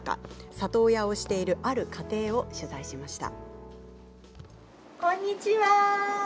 里親をしているある家庭を取材しました。